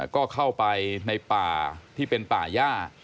ก็เข้าไปในป่าที่เป็นป่าย่า